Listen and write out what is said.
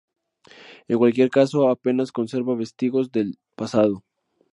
En cualquier caso, apenas conserva vestigios del pasado.